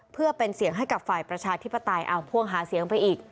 เพื่อเป็นเสียงให้กับฝ่ายประชาธิปไตยเอาพ่วงหาเสียงไปอีก